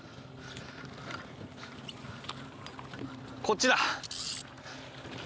こっちだ。